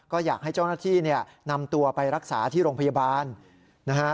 ก็อยากให้เจ้าหน้าที่เนี่ยนำตัวไปรักษาที่โรงพยาบาลนะฮะ